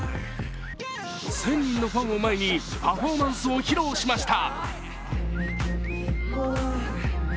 １０００人のファンを前にパフォーマンスを披露しました。